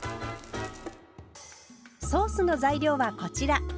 ソースの材料はこちら。